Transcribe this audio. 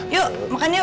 yuk makan yuk